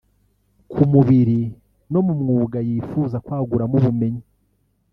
ku mubiri no mu mwuga yifuza kwaguramo ubumenyi